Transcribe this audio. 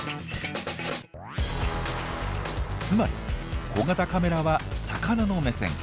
つまり小型カメラは魚の目線。